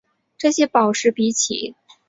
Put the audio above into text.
这些宝石比起一般宝石具有特殊能力。